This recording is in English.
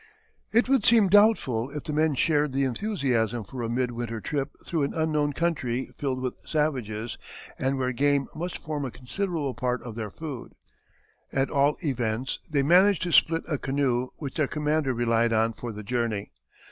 It would seem doubtful if the men shared the enthusiasm for a mid winter trip through an unknown country filled with savages and where game must form a considerable part of their food. At all events, they managed to split a canoe which their commander relied on for the journey.